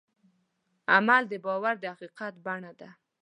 عمل د باور د حقیقت بڼه ده.